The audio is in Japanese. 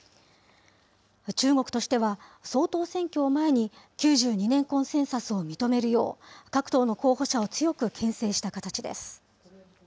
中国としては総統選挙を前に、９２年コンセンサスを認めるよう、各党の候補者を強くけん制した形です。